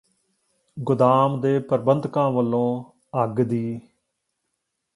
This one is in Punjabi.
ਗੁਦਾਮ ਦੇ ਪ੍ਰਬੰਧਕਾਂ ਵੱਲੋਂ ਅੱਗ ਦੀ